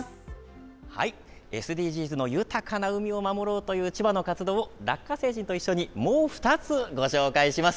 ＳＤＧｓの豊かな海を守ろうという千葉の活動をラッカ星人と一緒にもう２つご紹介します。